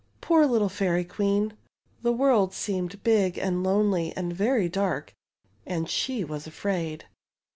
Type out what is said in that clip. Poor little Fairy Queen! The world seemed big and lonely and very dark, and she was afraid.